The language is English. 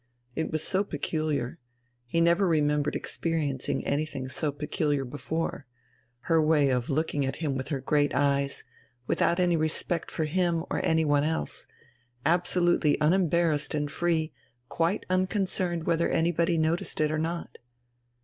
It was so peculiar, he never remembered experiencing anything so peculiar before, her way of looking at him with her great eyes, without any respect for him or anyone else, absolutely unembarrassed and free, quite unconcerned whether anybody noticed it or not.